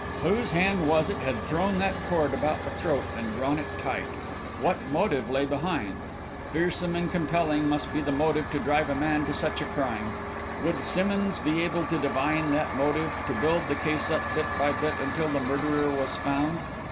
Whose hand was it had thrown that cord about the throat and drawn it tight? What motive lay behind? Fearsome and compelling must the motive be to drive a man to such a crime! Would Simmonds be able to divine that motive, to build the case up bit by bit until the murderer was found?